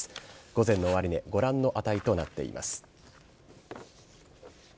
午前の終値ご覧の値となっています。